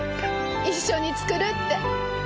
一緒に作るって。